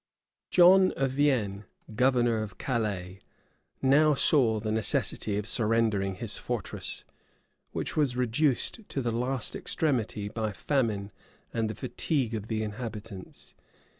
John of Vienne, governor of Calais, now saw the necessity of surrendering his fortress, which was reduced to the last extremity by famine and the fatigue of the inhabitants.